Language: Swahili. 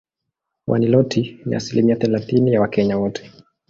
Waniloti ni asilimia thellathini ya Wakenya wote